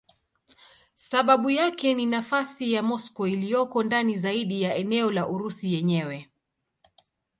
Sababu yake ni nafasi ya Moscow iliyoko ndani zaidi ya eneo la Urusi yenyewe.